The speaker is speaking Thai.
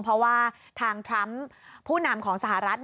เพราะว่าทางทรัมป์ผู้นำของสหรัฐ